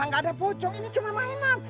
tidak ada pocong ini cuma mainan